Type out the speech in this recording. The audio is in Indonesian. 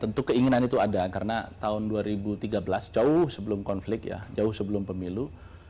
tentu keinginan itu ada karena tahun dua ribu tiga belas jauh sebelum konflik ya jauh sebelum pemilu